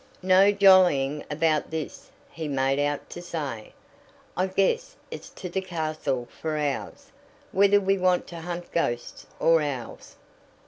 "No jollying about this," he made out to say, "I guess it's to the castle for ours, whether we want to hunt ghosts or owls."